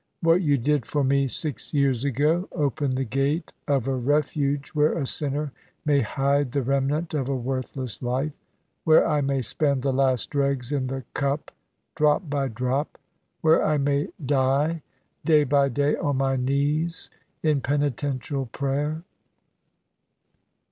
"What you did for me six years ago. Open the gate of a refuge where a sinner may hide the remnant of a worthless life, where I may spend the last dregs in the cup, drop by drop, where I may die day by day, on my knees, in penitential prayer."